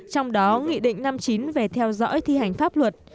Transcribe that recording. trong đó nghị định năm mươi chín về theo dõi thi hành pháp luật